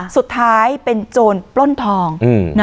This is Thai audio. สุดท้ายเป็นโจรปล้นทอง